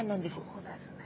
そうですね。